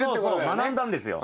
学んだんですよ。